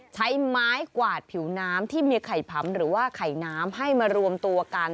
ใช้ไม้กวาดผิวน้ำที่มีไข่ผำหรือว่าไข่น้ำให้มารวมตัวกัน